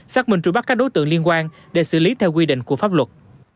xác minh trụi bắt các đối tượng liên quan để xử lý theo quy định của pháp luật